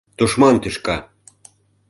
Тушман тӱшка!